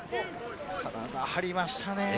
体、張りましたね。